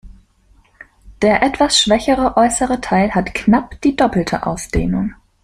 Der etwas schwächere äußere Teil hat knapp die doppelte Ausdehnung.